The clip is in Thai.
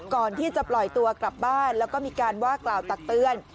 ก่อนที่จะปล่อยตัวกลับบ้านแล้วก็มีการว่ากล่าวตักเตือน